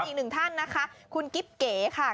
อีกหนึ่งท่านนะคะคุณกิ๊บเก๋ค่ะ